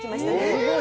すごい。